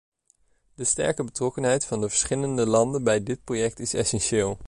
De sterke betrokkenheid van de verschillende landen bij dit project is essentieel.